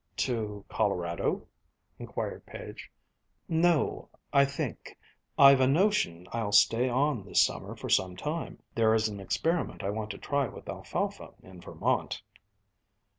"To Colorado?" inquired Page. "No, I think I've a notion I'll stay on this summer for some time. There is an experiment I want to try with alfalfa in Vermont."